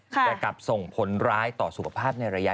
แต่กลับส่งผลร้ายต่อสุขภาพในระยะ